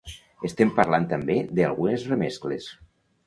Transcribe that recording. Estem parlant també de algunes remescles.